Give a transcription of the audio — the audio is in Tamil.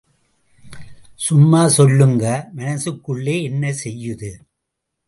சும்மாச் சொல்லுங்க... மனசுக்குள்ளே என்ன செய்யுது?